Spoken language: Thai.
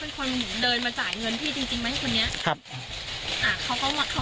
เป็นคนเดินมาจ่ายเงินพี่จริงมั้ยคุณเนี้ยครับอ่า